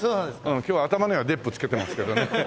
今日頭にはデップ付けてますけどね。